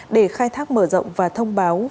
để khai thác mở rộng và thông báo